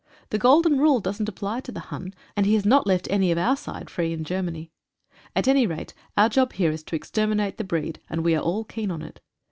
The golden rule doesn't apply to the Hun, and he has not left any of our side free in Germany. At any rate, our job here is to exterminate the breed, and we are all keen on it.